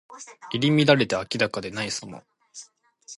入り乱れて明らかでないさま。